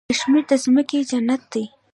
کشمیر د ځمکې جنت دی.